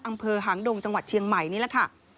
หางดงจังหวัดเชียงใหม่นี่แหละค่ะ